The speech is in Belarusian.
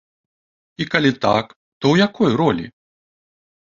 І калі так, то ў якой ролі?